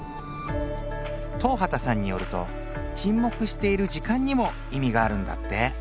東畑さんによると沈黙している時間にも意味があるんだって。